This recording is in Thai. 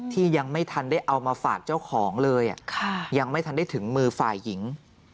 ยังไม่ทันได้เอามาฝากเจ้าของเลยยังไม่ทันได้ถึงมือฝ่ายหญิง